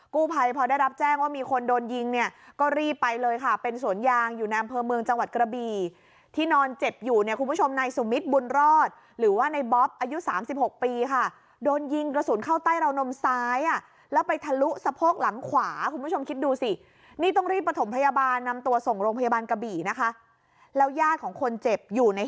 กู้ภัยพอได้รับแจ้งว่ามีคนโดนยิงเนี่ยก็รีบไปเลยค่ะเป็นสวนยางอยู่ในอำเภอเมืองจังหวัดกระบีที่นอนเจ็บอยู่เนี่ยคุณผู้ชมในสุมิทบุญรอดหรือว่าในบ๊อบอายุ๓๖ปีค่ะโดนยิงกระสุนเข้าใต้เรานมซ้ายอ่ะแล้วไปทะลุสะโพกหลังขวาคุณผู้ชมคิดดูสินี่ต้องรีบประถมพยาบาลนำตัวส่งโรงพ